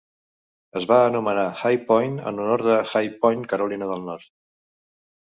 Es va anomenar "High Point" en honor a High Point, Carolina del Nord.